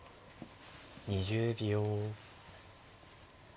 ２０秒。